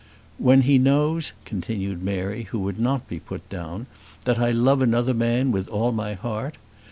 "When he knows," continued Mary, who would not be put down, "that I love another man with all my heart.